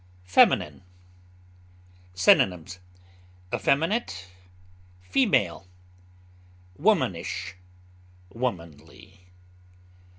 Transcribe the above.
FEMININE. Synonyms: effeminate, female, womanish, womanly.